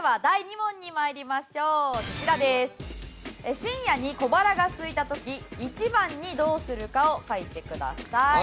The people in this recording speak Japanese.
深夜に小腹がすいた時一番にどうするかを書いてください。